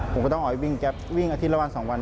ผมก็ต้องออกไปวิ่งแก๊ปวิ่งอาทิตย์ละวัน๒วัน